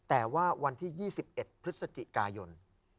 แต่ว่าวันที่๒๑พฤศจิกายน